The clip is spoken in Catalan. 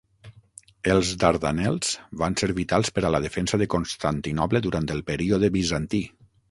Els Dardanels van ser vitals per a la defensa de Constantinoble durant el període bizantí.